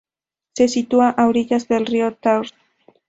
Se sitúa a orillas del río Tarn.